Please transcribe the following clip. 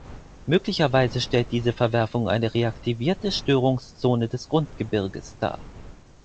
Möglicherweise stellt diese Verwerfung eine reaktivierte Störungszone des Grundgebirges dar.